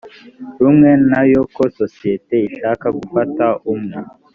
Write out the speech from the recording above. rumwe na yo ko sosiyete ishaka gufata umwe